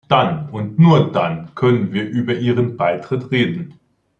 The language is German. Dann und nur dann können wir über ihren Beitritt reden.